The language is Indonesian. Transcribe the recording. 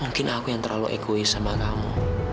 mungkin aku yang terlalu egois sama kamu